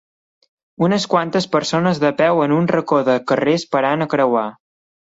Unes quantes persones de peu en un racó de carrer esperant a creuar.